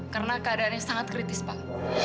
karena keadaannya sangat kritis pak